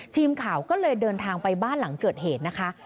ทีมข่าวก็เลยเดินทางไปบ้านหลังเกิดเหตุนะคะ